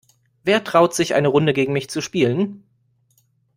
Wer traut sich, eine Runde gegen mich zu spielen?